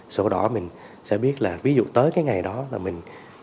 sổ đỏ mình sẽ biết là ví dụ tới cái ngày đó là mình không biết